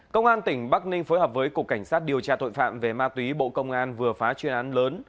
công an tỉnh bắc ninh phối hợp với cục cảnh sát điều tra tội phạm về ma túy bộ công an vừa phá chuyên án lớn